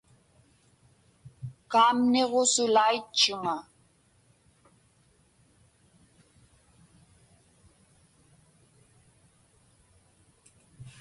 Kaamniġusulaitchuŋa.